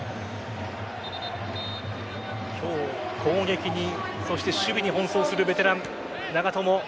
今日、攻撃にそして守備に奔走するベテラン・長友。